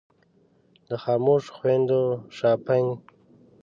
د خاموشو خویندو شاپنګ.